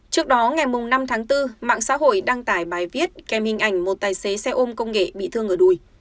trước đó ngày năm tháng bốn mạng xã hội đăng tải bài viết kèm hình ảnh một tài xế xe ôm công nghệ bị thương ở đùi